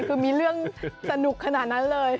คือมีเรื่องสนุกขนาดนั้นเลย